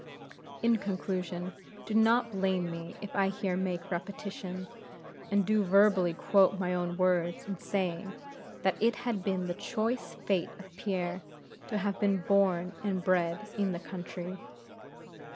In conclusion, do not blame me if I here make repetition, and do verbally quote my own words in saying that it had been the choice fate of Pierre to have been born and bred in the country.